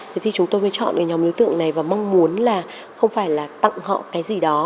thế thì chúng tôi mới chọn cái nhóm đối tượng này và mong muốn là không phải là tặng họ cái gì đó